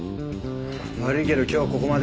悪いけど今日はここまで。